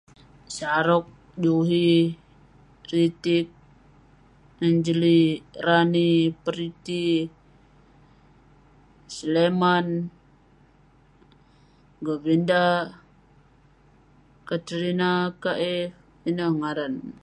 Shah Rukh, Buhi, Pretty, Enjely, Rani, Pretty, Sulaiman, Govinda, Katrina keh eh..ineh ngaran..